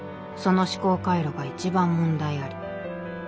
その思考回路が一番問題あり。